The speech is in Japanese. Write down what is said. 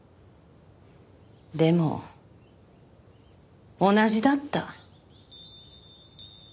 でも同じだった。